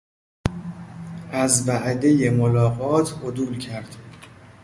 از وعدهی ملاقات عدول کرد.